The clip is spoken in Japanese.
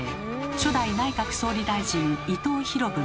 初代内閣総理大臣伊藤博文。